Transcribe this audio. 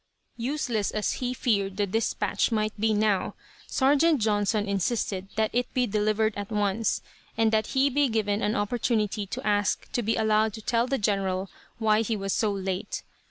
Useless as he feared the dispatch might be now, Sergeant Johnson insisted that it be delivered at once, and that he be given an opportunity to ask to be allowed to tell the general why he was so late.